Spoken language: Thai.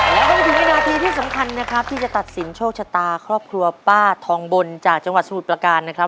แล้วก็มาถึงวินาทีที่สำคัญนะครับที่จะตัดสินโชคชะตาครอบครัวป้าทองบนจากจังหวัดสมุทรประการนะครับ